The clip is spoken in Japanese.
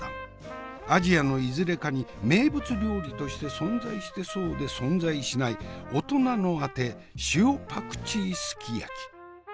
アジアのいずれかに名物料理として存在してそうで存在しない大人のあて塩パクチーすき焼き。